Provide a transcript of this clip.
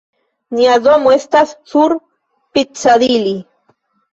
Nia domo estas sur Piccadilli.